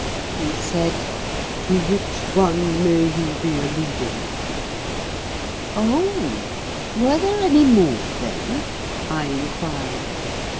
He said, "To which one may you be alluding?" "Oh, were there any more then?" I inquired.